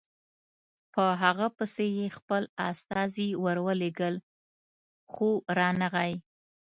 په هغه پسې یې خپل استازي ورولېږل خو رانغی.